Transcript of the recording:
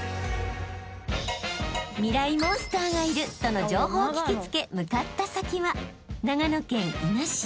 モンスターがいるとの情報を聞き付け向かった先は長野県伊那市］